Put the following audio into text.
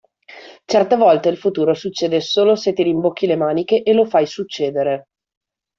Certe volte il futuro succede solo se ti rimbocchi le maniche e lo fai succedere.